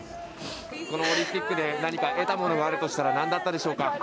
このオリンピックで何か得たものがあるとしたら、なんだったでしょうか。